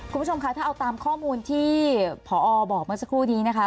คุณผู้ชมคะถ้าเอาตามข้อมูลที่พอบอกเมื่อสักครู่นี้นะคะ